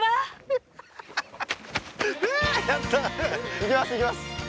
いきますいきます！